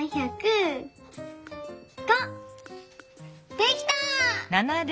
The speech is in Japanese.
できた！